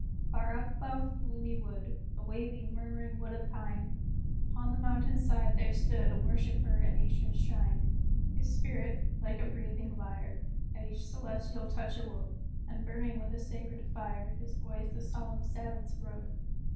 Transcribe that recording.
Far up above the gloomy wood, The wavy, murmuring wood of pine, Upon the mountain side, there stood A worshipper at Nature's shrine. His spirit, like a breathing lyre, At each celestial touch awoke, And burning with a sacred fire, His voice the solemn silence broke.